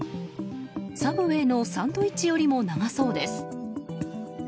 サブウェイのサンドイッチよりも長そうです。